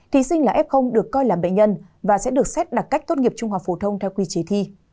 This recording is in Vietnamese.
thí sinh là f được coi là bệnh nhân và sẽ được xét đặc cách tốt nghiệp trung học phổ thông theo quy chế thi